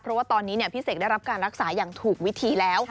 เพราะว่าตอนนี้พี่เสกได้รับการรักษาอย่างถูกวิธีแล้ว